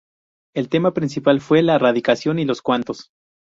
El tema principal fue la "Radiación y los cuantos".